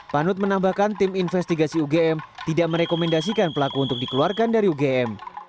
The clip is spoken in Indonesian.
panut menambahkan tim investigasi ugm tidak merekomendasikan pelaku untuk dikeluarkan dari ugm